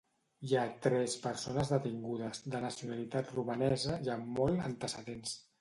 Hi ha tres persones detingudes, de nacionalitat romanesa i amb molt antecedents.